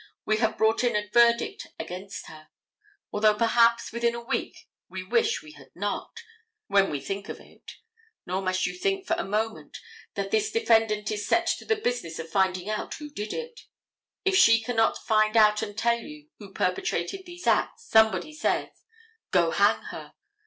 We have brought in a verdict against her," although perhaps, within a week we wish we had not, when we think of it. Nor must you think for a moment that this defendant is set to the business of finding out who did it. If she cannot find out and tell you who perpetrated these acts, somebody says, "Go hang her."